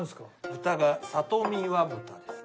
豚が里見和豚ですね。